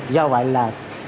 do vậy là